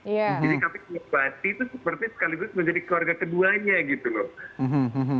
jadi kami menguasai itu seperti sekaligus menjadi keluarga keduanya gitu loh